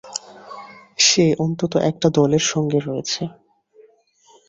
সে অন্তত একটা দলের সঙ্গে রয়েছে।